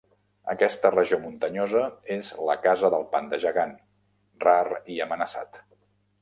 Aquesta regió muntanyosa és la casa del panda gegant, rar i amenaçat.